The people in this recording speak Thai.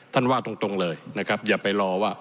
ท่านว่าตรงเลยนะครับเดี๋ยวไปรอว่า